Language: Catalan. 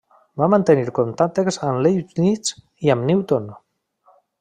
Va mantenir contactes amb Leibniz i amb Newton.